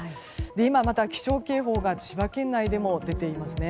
今、また気象警報が千葉県内でも出ていますね。